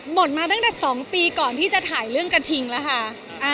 มาตั้งแต่๒ปีก่อนที่จะถ่ายเรื่องกระทิงแล้วค่ะ